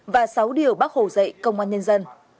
và sáu điều bác hồ dạy công an nhân dân